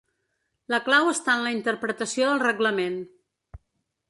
La clau està en la interpretació del reglament.